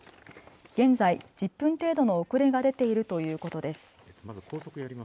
現在１０分程度の遅れが出ているということです。